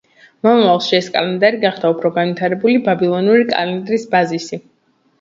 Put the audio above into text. მომავალში ეს კალენდარი გახდა უფრო განვითარებული ბაბილონური კალენდრის ბაზისი.